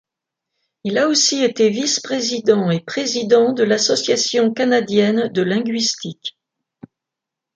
Il a aussi été vice-président et président de l'Association canadienne de linguistique.